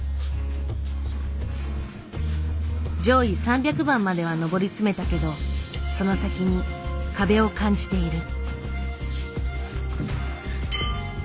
上位３００番までは上り詰めたけどその先に壁を感じている。